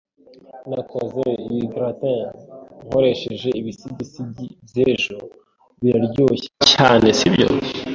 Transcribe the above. Nakoze iyi gratin nkoresheje ibisigisigi by'ejo. Biraryoshe cyane, sibyo?